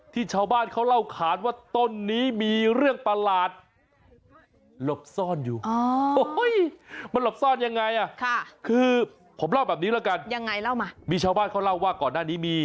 ที่ชาวบ้านเขาเล่าขาดว่าต้นนี้มีเรื่องประหลาด